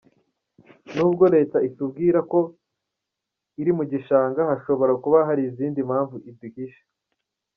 Nubwo Leta itubwira ko ari mu gishanga, hashobora kuba hari izindi mpamvu iduhisha.